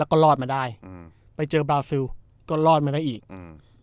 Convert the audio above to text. แล้วก็รอดมาได้อืมไปเจอบราซิลก็รอดมาได้อีกอืม